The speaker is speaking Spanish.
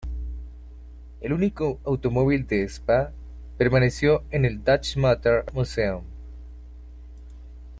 El único automóvil de Spa permaneció en el Dutch Motor Museum.